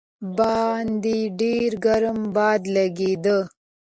باندې ډېر ګرم باد لګېده.